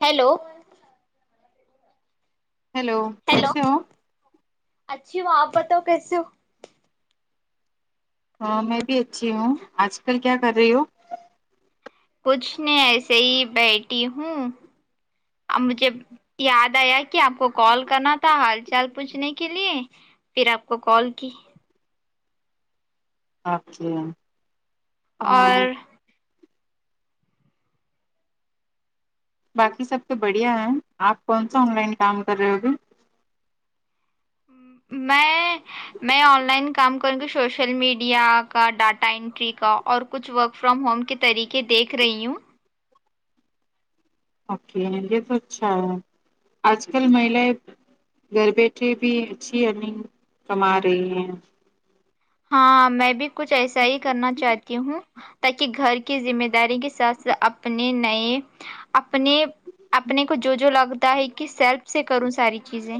hello hello hello کیسے ہو اچھی ہو آپ بتاؤ کیسے ہو ہاں میں بھی اچھی ہوں آج کل کیا کر رہی ہو کچھ نہیں ایسے ہی بیٹھی ہوں ا مجھے یاد آیا کہ آپ کو کال کرنا تھا حال چال پوچھنے کے لیے پھر آپ کو کال کی آپثن اور باقی سب تو بڑھیا ہیں آپ کون سا آن لائن کام کر رہے ہو گے میں میں آن لائن کام کر کے سوشل میڈیا کا ڈاٹا انٹری کا اور کچھ ورک فرام ہوم کے طریقے دیکھ رہی ہوں اوکے یہ تو اچھا ہے آج کل مہیلیں گھر بیٹھے بھی اچھی ارنگ کما رہی ہیں ہاں میں بھی کچھ ایسا ہی کرنا چاہتی ہوں تاکہ گھر کی ذمہ داری کے ساتھ ساتھ اپنے نئے اپنے اپنے کو جو جو لگتا ہے کہ سیلف سے کروں ساری چیزیں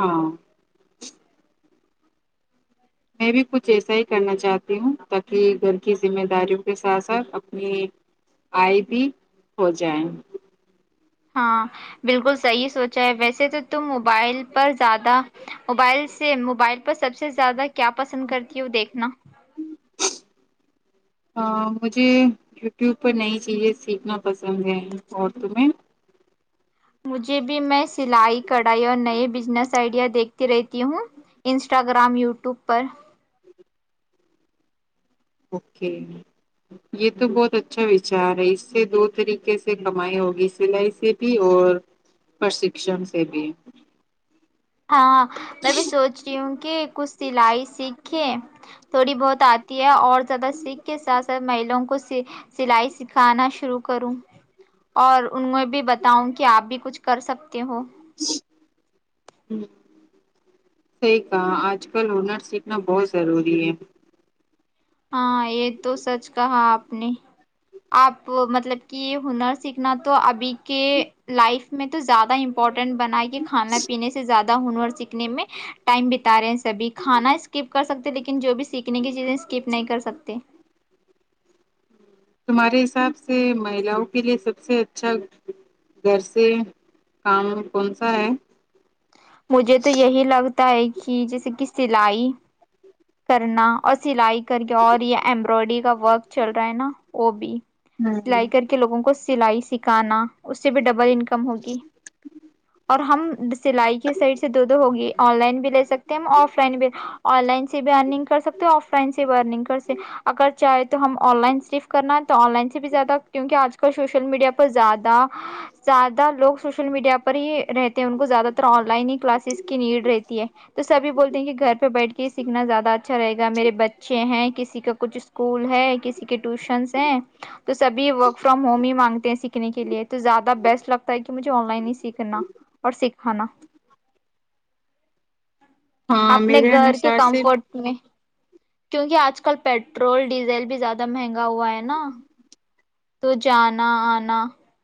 ہاں میں بھی کچھ ایسا ہی کرنا چاہتی ہوں تاکہ گھر کی ذمہ داریوں کے ساتھ ساتھ اپنی آئی بھی ہو جائیں ہاں بالکل صحیح سوچا ہے ویسے تو تم موبائل پر زیادہ موبائل سے موبائل پر سب سے زیادہ کیا پسند کرتی ہو ہو دیکھنا مجھے یوٹیوب پر نئی چیزیں سیکھنا پسند ہیں ارد میں مجھے بھی میں سلائی کڑھائی اور نئے بزنس آئیڈیا دیکھتی رہتی ہوں انسٹاگرام یوٹیوب پر اوکے یہ تو بہت اچھا وچار ہے اس سے دو طریقے سے کمائی ہوگی سلائی سے بھی اور پرشکشن سے بھی ہاں میں بھی سوچ رہی ہوں کہ کچھ سلائی سیکھ تھوڑی بہت آتی ہے اور زیادہ سیکھ کے ساتھ ساتھ مہیلوںں کو سلائی سکھانا شروع کروں اور ان میں بھی بتاؤں کہ آپ بھی کچھ کر سکتے ہو ہ صحی کہا آج کل انر سیکھنا بہت ضروری ہے ہاں یہ تو سچ کہا آپ نے آپ مطلب کہ یہ ہنر سیکھنا تو ابھی کے لائف میں تو زیادہ امپورٹینٹ بنائی کے کھانا پینے سے زیادہ ہنر سیکھنے میں ٹائم بتا رہے ہیں سبھی کھانا اسکپ کر سکتے لیکن جو بھی سیکھنے کی چیزیں اسکپ نہیں کر سکتے تمہارے حساب سے مہیلاؤں کے لیے سب سے اچھا گھر سے کام کون سا ہے مجھے تو یہی لگتا ہے کہ جیسے کہ سلائی کرنا اور سلائی کر کے اور یہ امبرائڈری کا ورک چل رہا ہے نا وہ بھی سلائی ہوں کر کے لوگوں کو سلائی سکھانا اس سے بھی ڈبل انکم ہوگی اور ہم سلائی کے سائڈ سے دو دو ہوگی آن لائن بھی لے سکتے ہیں ہم آف لائن بھی آن لائن اگ کر سکتے آف لائن سے بھی ارگ کرک اگر چاہے تو ہم آن لائن صرف کرنا تو آن لائن سے بھی زیادہ کیونکہ آج کل سوشل میڈیا پر زیادہ زیادہ لوگ سوشل میڈیا پر ہی رہتے ہیں ان کو زیادہ تر آن لائن ہی کلاسز کی نیڈ رہتی ہے تو سبھی بولتے ہیں کہ گھر پہ بیٹھ کے سیکھنا زیادہ اچھا رہے گا میرے بچے ہیں کسی کا کچھ اسکول ہے کسی کے ٹیوشنس ہیں تو سب ورک فرام ہوم ہی مانگتے ہیں سیکھنے کے لیے تو زیادہ بیسٹ لگتا ہے کہ مجھے آن لائن ہی سیکھنا اور سکھانا ہاں اپنے میرے گھر کے انوسار سے کمفرٹ میں کیونکہ آج کل پیٹرول ڈیزل بھی زیادہ مہنگا ہوا ہے نا تو جانا آنا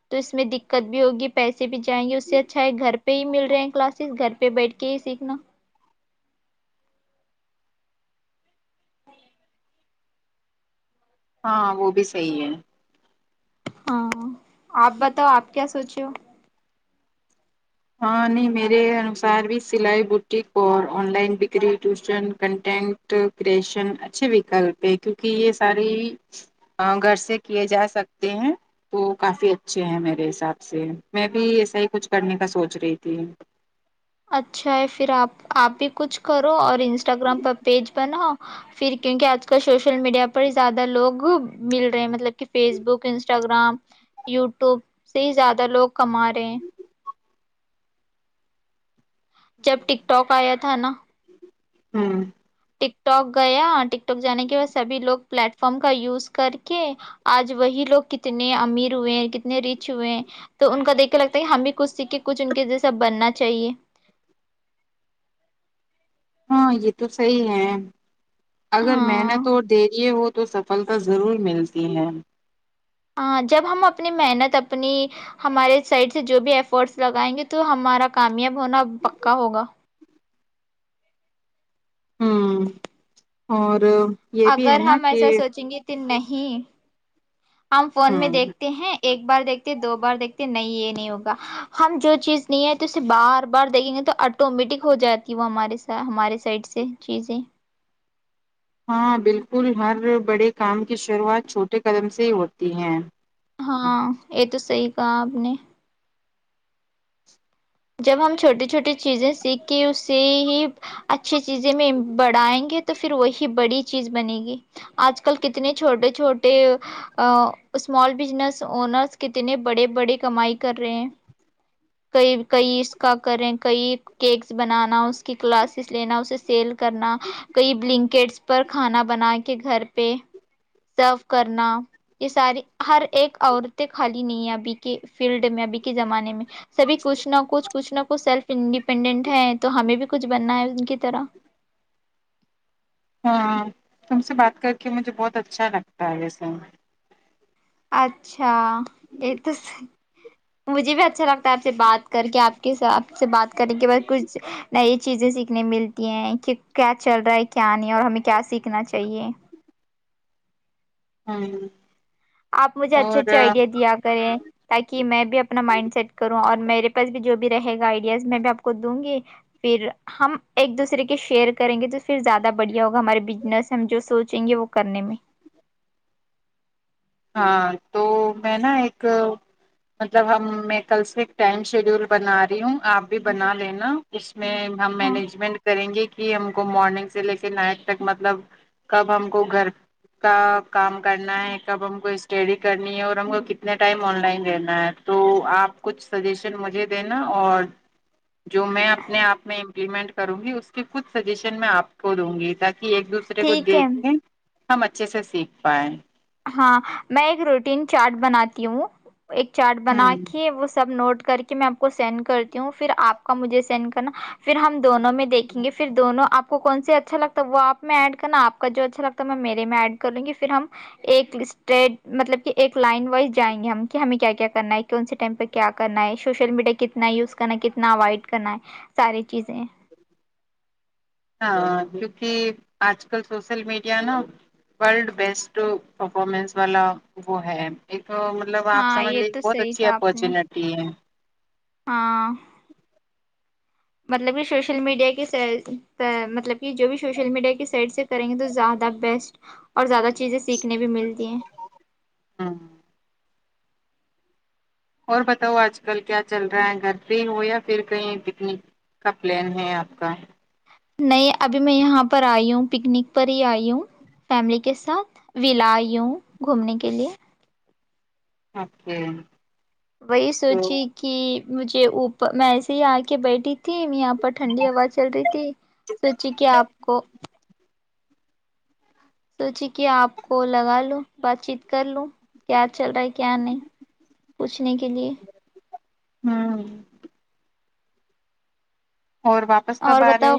تو اس میں دقت بھی ہوگی پیسے بھی جائیں گے اس سے اچھا ہے گھر پہ ہی مل رہے ہیں کلاسز گھر پہ بیٹھ کے ہی سیکھنا ہاں وہ بھی صحی ہے ہاں آپ بتاؤ آپ کیا سوچے [unintelligible] ہاں نہیں میرے انوسار بھی سلائی بٹی اور آن لائن بکری ٹیوشن کنٹینٹ کرشن اچھے وکلپ ہے کیوںکہ یہ ساری گھر سے کیے جا سکتے ہیں تو کافی اچھے ہیں میرے حساب سے میں بھی ایسا ہی کچھ کرنے کا سوچ چ رہی ت ہے اچھا ہے پھر آپ آپ بھی کچھ کرو اور انسٹاگررام پر پیج بناؤ پھر کیونکہ آج کل سوشل میڈیا پر ہی زیادہ لوگ مل رہے مطلب کہ فیس بک انسٹاگررام یوٹیوب سے ہی زیادہ لوگ کما رہے ہیں جب ٹک ٹاک آیا تھا نا ہاں ٹک ٹاک گیا ٹک جانے کے بعد سبھی لوگ پلیٹ فارم کا یوز کر کے آج وہی لوگ کتنے امیر ہوئے ہیں کتنے ریچ ہوئے ہیں تو ان کا دیکھ کے لگتا ہے کہ ہمیں بھی کچھ سیکھ کے کچھ ان کے جیسا بننا چاہیے ہاں یہ تو صحیح ہے اگر ہاں محنت اور دے رہی ہے ہو تو تو صفلتا ضرور ملتی ہے ہاں جب ہم اپنی محنت اپنی ہمارے سائڈ سے جو بھی ایفرٹس لگائیں گے تو ہمارا کامیاب ہونا پکا ہوگا ہوں اور یہ بھی ہے اگر نا ہم کہ ایسا سوچیں گے تو نہیں ہی ہم فون میں ہوں دیکھتے ہیں ایک بار دیکھتے دو بار دیکھتے نہیں یہ نہیں ہوگا ہم جو چیز نہیں ہے تو اسے بار بار دیکھیں گے تو آٹومیٹک ہو جاتی وہ ہمارے س ہمارے سائڈ سے چیزیں ہاں بالکل ہر بڑے کام کی شروعات چھوٹے قدم سے ہی ہوتی ہے ہاں یہ تو صحیح کہا اپ نے جب ہم چھوٹے چھوٹے چیزیں سیکھ کے اس سے ہی اچھی چیزیں میں بڑھائیں گے تو پھر وہی بڑی چیز بنے گی آج کل کتنے چھوٹے چھوٹے اسمال بزنس انرس کتنے بڑے بڑے کمائی کر رہے ہیں تو یہ کئی اس کا کریں کئی کیکس بنانا اس کی کلاسسز لینا اسے سیل کرنا کئی بلنکٹس پر کھانا بنا کے گھر پہ جآب کرنا یہ ساری ہر ایک عورتیں خالی نہیں ہیں ابھی کے فیلڈ میں ابھی کے زمانے میں سبھی کچھ نہ کچھ کچھ نہ سیلف انڈیپینڈنٹ ہے تو ہمیں بھی کچھ بننا ہے ان کی طرح ہاں تم سے بات کر کے مجھے بہت اچھا لگتا ہے یہ سن اچھا اچھا یہ تو مجھے بھی اچھا لگتا ہے آپ سے بات کر کے آپ کے آپ سے بات کرنے کے بعد کچھ نئی چیزیں سیکھنے ملتی ہیں کہ کیا چل رہا ہے کیا نہیں اور ہمیں کیا سیکھنا چاہیے ہوں آپ مجھے اچھے اچھے آئیڈیا دیا کریں تاکہ میں بھی اپنا مائنڈ سیٹ کروں اور میرے پاس بھی جو بھی رہے گا آئیڈیاز میں بھی آپ کو دوں گی پھر ہم ایک دوسرے کے شیئر کریں گے تو پھر زیادہ بڑھیا ہوگا ہمارے بزنس ہم جو سوچیں گے وہ کرنے میں ہاں تو میں نا ایک مطلب ہم میں کل سے ٹائم شیڈیول بنا رہی ہوں آپ بھی بنا لینا اس میں ہم ہاں مینجمنٹ کریں گے کہ ہم کو مارننگ سے لے کے نائٹ تک مطلب کب ہم کو گھر کا کام کرنا ہے ہم کو اسٹڈی کرنی ہے اور ہم کو کتنے ٹائم آن لائن دینا ہے تو آپ کچھ سجیشن مجھے دینا اور جو میں اپنے آپ میں امپلیمنٹ کروں گی اس کے کچھ سجیشن میں آپ کو دوں گی تاکہ ایک دوسرے کو ٹھیک ہے دیکھیں ہم اچھے سے سیکھ پائے ہاں میں ایک روٹین چاٹ بناتی ہوں ایک چارٹ بنا ہ کے وہ سب نوٹ کر کے میں آپ کو سینڈ کرتی ہوں پھر آپ کا مجھے سینڈ کرنا پھر ہم دونوں میں دیکھیں گے پھر دونوں آپ آپ کو کون سے اچھا لگتا ہے وہ آپ میں ایڈ کرنا آپ کا جو اچھا لگتا ہے میں میرے میں ایڈ کر لوں گی پھر ہم ایک اسٹٹ مطلب کہ ایک لائن وائز جائیں گے ہم کہ ہمیں کیا کیا کرنا ہے کون سے ٹائم پہ کیا کرنا ہے سوشل میڈیا کتنا یوز کرنا ہے کتنا اوائڈ کرنا ہے ساری چیزیں ہاں کیونکہ آج کل سوشل میڈیا نا ورلڈ بیسٹ پرفارمنس والا وہ ہے ایک تو مطلب آپ ہاں سمجھ یہ لیجے تو بہت صحیح اچھی کہا آپ نے اپارچونیٹی ہے ہاں مطلب کہ سوشل میڈیا کے مطلب کہ جو بھی سوشل میڈیا کی سائڈ سے کریں گے تو زیادہ بیسٹ اور زیادہ چیزیں سیکھنے بھی ملتی ہیں ہ اور بتاؤ آج کل کیا چل رہا ہے گھر پہ ہو یا پھر کہیں پکنک کا پلان ہے آپ کا نہیں ابھی میں یہاں پر آئی ہوں پکنک پر ہی آئی ہوں فیملی کے ساتھ ولا آئی ہوں گھومنے کے لیے اوکے وہی تو سوچی کہ مجھے اوپر میں ایسے ہی آ کے بیٹھی تھی یہاں پر ٹھنڈی ہوا چل رہی تھی سوچی کہ آپ کو سوچی کہ آپ کو لگا لو بات چیت کر لوں کیا چل رہا ہے کیا نہیں پوچھنے کے لیے [unintelligible] اور واپس کا اور بار بتاؤ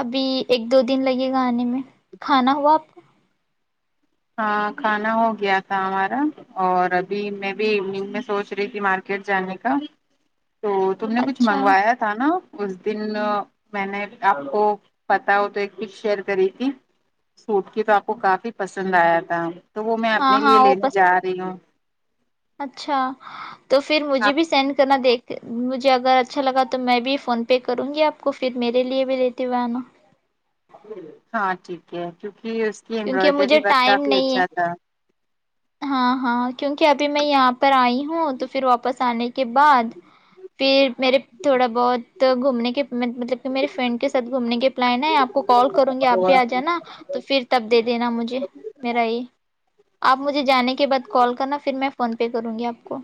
ابھی ایک دو دن لگے گا آنے میں کھانا ہوا آپ کو ہاں کھانا ہو گیا تھا ہمارا اور ابھی میں بھی ایوننگ میں سوچ رہی تھی مارکیٹ جانے کا تو تم نے کچھ اچھا منگوایا تھا نا اس دن میں نے آپ کو پتا وہ تو ایک کز شیئر کری تھی سوٹ کی تو آپ کو کافی پسند پسند آیا تھا تو وہ میں اپنے ہاں لیے ہاں وہ لینے پس جا رہی ہوں اچھا تو پھر مجھے آپ بھی سینڈ کرنا دیکھ مجھے اگر اچھا لگا تو میں بھی فون پے کروں گی آپ کو پھر میرے لیے بھی لیتی ہوئے آنا ہاں ٹھیک ہے کیک جی اس کی کیونکہ امبرائڈری مجھے ورک ٹائم کافی نہیں اچھا ہے تھا ہاں ہاں کیونکہ ابھی میں یہاں پر آئی ہوں تو پھر واپس آنے کے بعد پھر میرے تھوڑا بہت گھومنے کے میں مطلب کہ میرے فرینڈ کے ساتھ گھومنے کے پلان ہے آپ کو کال کروں گی آپ بھی آ تھا جانا تو پھر دے دینا مجھے میرا یہ آپ مجھے جانے کے بعد کال کرنا پھر میں فون پے کروں گی آپ کو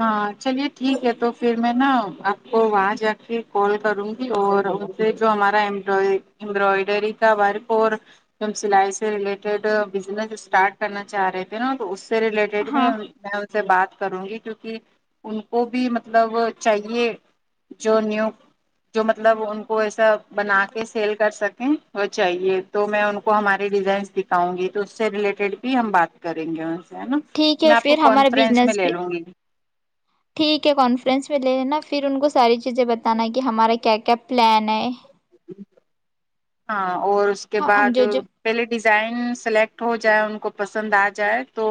ہاں چلیے ٹھیک ہے تو پھر میں نا آپ کو وہاں جا کے کال کروں گی اور ان سے جو ہمارا امبرائڈری کا ورک اور جو ہم سلائی سے ریلیٹڈ بزنس اسٹارٹ کرنا چاہ رہے تھے نا تو اس سے ریلیٹڈ بھی ہاں میں ان سے بات کروں گی کیک کہ ان کو بھی مطلب چاہیے جو نیو جو مطلب ان کو ایسا بنا کے سیل کر سکیں وہ چاہیے تو میں ان کو ہمارے ڈیزائنس دکھاؤں گی تو اس سے ریلیٹیڈ بھی ہم بات کریں گے ہے نا ٹھیک ہے میں آپ کو پھر ہمارا کانفرنس میں بزنس لے بھی لوں گی ٹھیک ہے کانفرنس میں لے ل نا پھر ان کو ساری چیزیں بتانا کہ ہمارا کیا کیا پلان ہے [inaudible] ہاں اور اس کے ہم بعد جو جو پہلے ڈیزائن سلیکٹ ہو جائے ان کو پسند آ جائے تو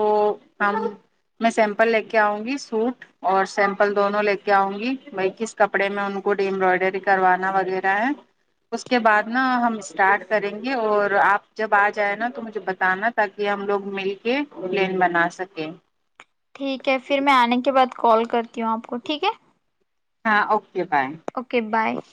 ہم میں سیمپل لے کے آؤں گی سوٹ اور سیمپل دونوں لے کے آؤں گی بی کس کپڑے میں ان کو ڈیمبرائڈری کروانا وغیرہ ہے اس کے بعد نہ ہم سٹارٹ کریں گے اور آپ جب آ جائیں نا تو مجھے بتانا تاکہ ہم لوگ مل کے پلین بنا سکیں ٹھیک ہے پھر میں آنے کے بعد کال کرتی ہوں آپ کو ٹھیک ہے [inaudible] [unintelligible]